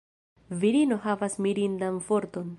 Virino havas mirindan forton.